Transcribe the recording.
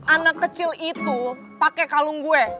anak kecil itu pakai kalung gue